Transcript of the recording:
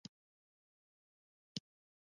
دا کړۍ خپله ځان پیاوړې کوي.